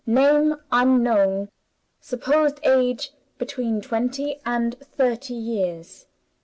Name not known. Supposed age, between twenty and thirty years.